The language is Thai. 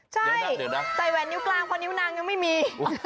ใช่ใส่แหวนนิ้วกลางเพราะนิ้วนางยังไม่มี